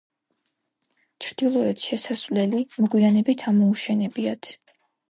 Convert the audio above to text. ჩრდილოეთ შესასვლელი მოგვიანებით ამოუშენებიათ.